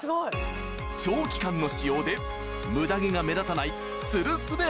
長期間の使用でムダ毛が目立たないつるスベ